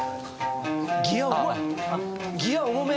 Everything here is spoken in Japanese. ギア重い！